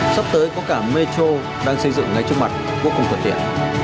sắp tới có cả mê trô đang xây dựng ngay trước mặt vô cùng thuận thiện